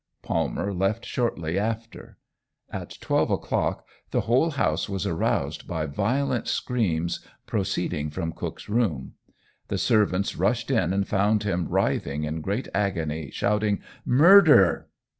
Palmer left shortly after. At 12 o'clock the whole house was aroused by violent screams proceeding from Cook's room. The servants rushed in and found him writhing in great agony, shouting "Murder!"